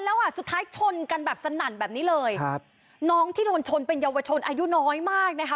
แล้วอ่ะสุดท้ายชนกันแบบสนั่นแบบนี้เลยครับน้องที่โดนชนเป็นเยาวชนอายุน้อยมากนะคะ